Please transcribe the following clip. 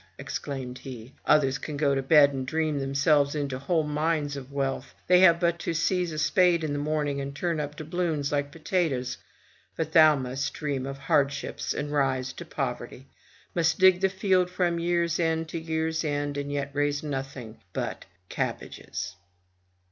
*' exclaimed he; ''others can go to bed and dream themselves into whole mines of wealth; they have but to seize a spade in the morning, and turn up doubloons like potatoes; but thou must dream of hardships, and rise to poverty — ^must dig the field from year's end to year's end, and yet raise nothing but cabbages!'